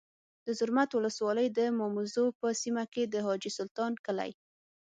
د زرمت ولسوالۍ د ماموزو په سیمه کي د حاجي سلطان کلی